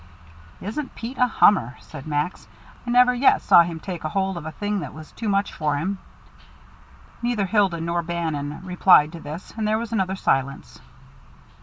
"Isn't Pete a hummer?" said Max. "I never yet saw him take hold of a thing that was too much for him." Neither Hilda nor Bannon replied to this, and there was another silence.